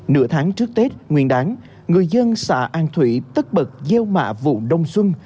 nửa tháng trước tết nguyên đáng người dân xã an thủy tất bật gieo mạ vụ đông xuân